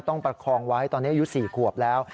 ประคองไว้ตอนนี้อายุ๔ขวบแล้ว